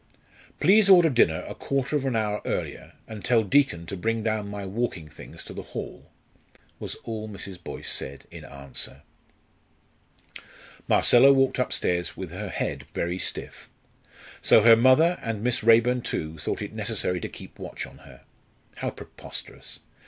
"Please order dinner a quarter of an hour earlier, and tell Deacon to bring down my walking things to the hall," was all Mrs. Boyce said in answer. Marcella walked upstairs with her head very stiff. So her mother, and Miss Raeburn too, thought it necessary to keep watch on her. How preposterous!